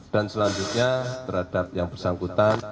dan selanjutnya terhadap yang bersangkutan